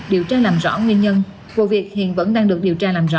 điều tra làm rõ nguyên nhân vụ việc hiện vẫn đang được điều tra làm rõ